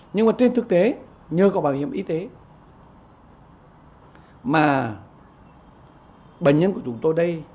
nhưng mà trên thực tế nhờ có bảo hiểm y tế mà bệnh nhân của chúng tôi đây